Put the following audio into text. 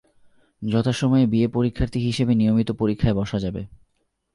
যথাসময়ে বিএ পরীক্ষাথী হিসেবে নিয়মিত পরীক্ষায় বসা যাবে।